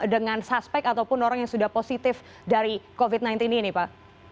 dengan suspek ataupun orang yang sudah positif dari covid sembilan belas ini pak